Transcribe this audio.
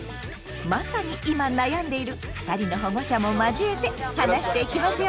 まさに今悩んでいる２人の保護者も交えて話していきますよ。